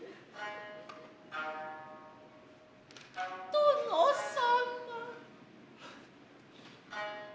殿様。